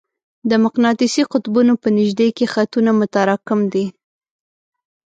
د مقناطیسي قطبونو په نژدې کې خطونه متراکم دي.